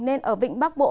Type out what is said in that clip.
nên ở vịnh bắc bộ